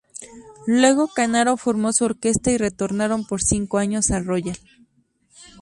Luego Canaro formó su orquesta y retornaron por cinco años al Royal.